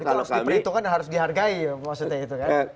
itu harus diperhitungkan dan harus dihargai maksudnya itu kan